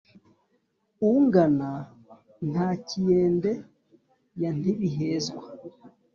Ungana Ntakiyende ya Ntibihezwa